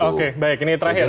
oke baik ini terakhir